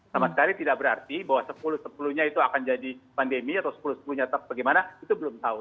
sama sekali tidak berarti bahwa sepuluh sepuluh nya itu akan jadi pandemi atau sepuluh sepuluh nya bagaimana itu belum tahu